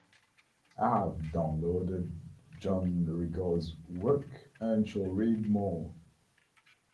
I have downloaded Jean Rigaud's works and shall read more.